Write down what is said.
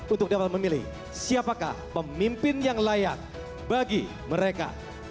untuk dapat memilih siapakah pemimpin yang layak bagi mereka